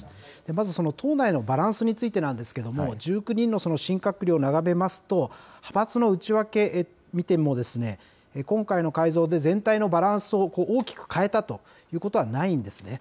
まずその党内のバランスについてなんですけれども、１９人の新閣僚を眺めますと、派閥の内訳見ても、今回の改造で全体のバランスを大きく変えたということはないんですね。